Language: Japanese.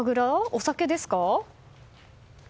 お酒ですか？